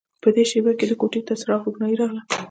په دې شېبه کې کوټې ته د څراغ روښنايي راغله